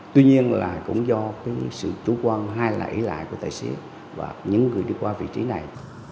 tuy nhiên là cũng do sự chủ quan hai lẫy lại của tài xế và những người đi qua vị trí này